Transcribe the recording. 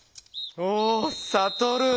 おサトル。